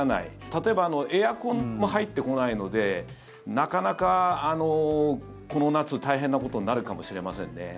例えばエアコンも入ってこないのでなかなかこの夏、大変なことになるかもしれませんね。